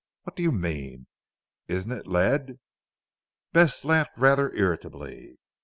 What do you mean? Isn't it lead?" Bess laughed rather irritably.